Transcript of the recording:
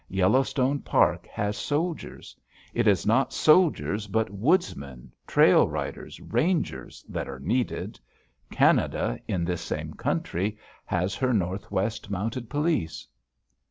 Yellowstone Park has soldiers. It is not soldiers, but woodsmen, trail riders, rangers, that are needed. Canada, in this same country, has her Northwest Mounted Police.